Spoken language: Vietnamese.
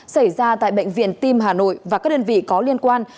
xảy ra tại bệnh viện tim hà nội và các đơn vị có liên quan